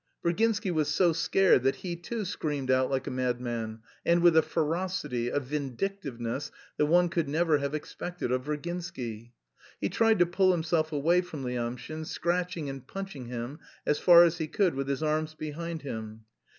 Virginsky was so scared that he too screamed out like a madman, and with a ferocity, a vindictiveness that one could never have expected of Virginsky. He tried to pull himself away from Lyamshin, scratching and punching him as far as he could with his arms behind him.